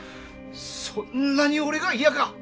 そんなに俺が嫌か？